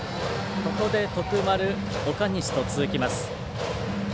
ここで徳丸岡西と続きます。